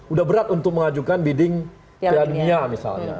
udah berat untuk mengajukan bidding piala dunia misalnya